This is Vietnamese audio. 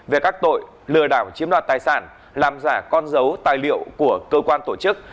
về các tội lừa đảo chiếm đoạt tài sản làm giả con dấu tài liệu của cơ quan tổ chức